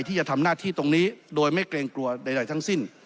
ที่จะทำหน้าที่ตรงนี้โดยไม่เกรงกลัวใดทั้งสิ้น